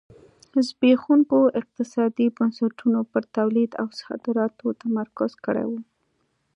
زبېښونکو اقتصادي بنسټونو پر تولید او صادراتو تمرکز کړی و.